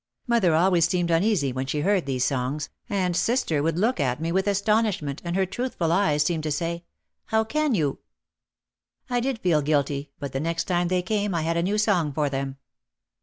Mother always seemed uneasy when she heard these songs, and sister would look at me with astonishment and her truthful eyes seemed to say, "Oh, how can you! ,, I did feel guilty but the next time they came I had a new song for them.